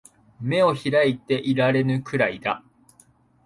眼を開いていられぬくらいだ